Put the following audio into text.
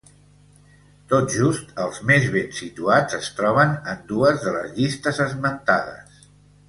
Tot just els més ben situats es troben en dues de les llistes esmentades.